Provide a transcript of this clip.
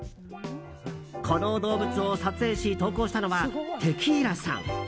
この動物を撮影し投稿したのはてきーらさん。